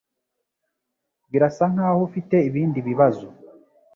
Birasa nkaho ufite ibindi bibazo